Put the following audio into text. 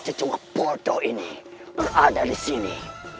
cecuk bodoh ini berada di sini